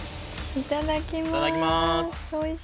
いただきます。